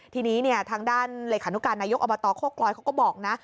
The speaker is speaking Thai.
ทีนี้ทางด้านเลขานุการนายกอบตโคกลอยเขาก็บอกนะ